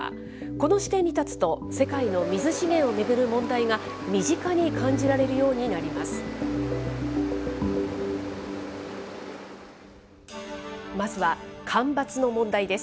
この視点に立つと、世界の水資源を巡る問題が、身近に感じられるようになります。